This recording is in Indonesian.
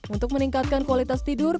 untuk meningkatkan kualitas tidur